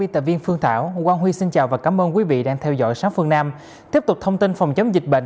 tiếp theo xin mời quý vị cùng đến với các thông tin đáng chú ý các bạn